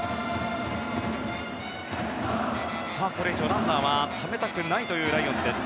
これ以上、ランナーはためたくないというライオンズです。